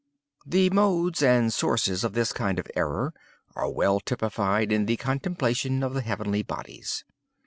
The modes and sources of this kind of error are well typified in the contemplation of the heavenly bodies.